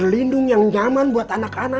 k willingness dari syariat masyarakat sesama kita